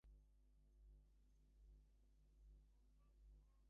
A diagnosis can be made based on results of several assessments.